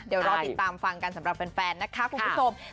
เดี๋ยวรอติดตามฟังกันสำหรับแฟนนะคะคุณผู้ชม